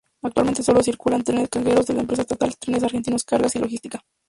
Actualmente sólo circulan trenes cargueros de la empresa estatal Trenes Argentinos Cargas y Logística.